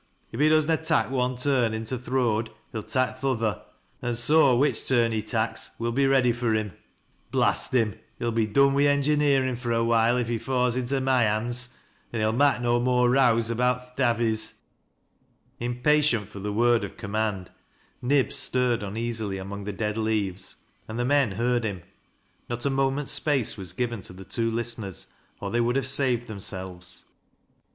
If he does na tak' one turn into th' road he'll tak' th' other, an' so which turn he tak's wo'll be ready fur him. Blast him ! he'll be doiw" 4 SAJfMV CRADDOGK'8 "MANNY ENSIS." 18a wi' engineerin' fur a while if ho fa's into mj/ handsj an he'll mak' no more rows about th' Davvies." Impatient for the word of command, Nib stirred un easily among the dead leaves, and the men heard him Not a moment's space was given to the two listeners, oi they would have saved themselves.